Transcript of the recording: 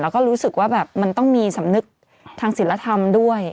แล้วก็รู้สึกว่าแบบมันต้องมีสำนึกทางศิลธรรมด้วย